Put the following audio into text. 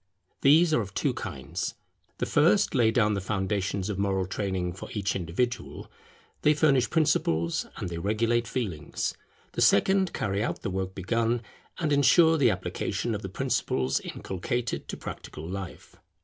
These are of two kinds. The first lay down the foundations of moral training for each individual: they furnish principles, and they regulate feelings. The second carry out the work begun, and ensure the application of the principles inculcated to practical life.